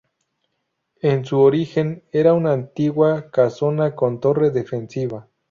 En su origen era una antigua casona con torre defensiva.